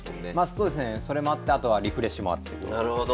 そうですねそれもあってあとはリフレッシュもあってと。